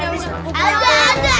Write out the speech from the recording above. udah habis aku punya aku